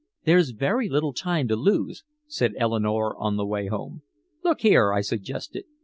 "There's very little time to lose," said Eleanore on the way home. "Look here," I suggested.